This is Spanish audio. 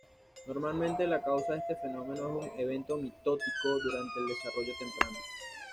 Normalmente la causa de este fenómeno es un evento mitótico durante el desarrollo temprano.